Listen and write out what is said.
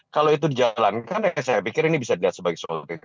kalau itu dijalankan ya saya pikir ini bisa dilihat sebagai solusi